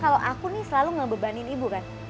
kalau aku nih selalu ngebebanin ibu kan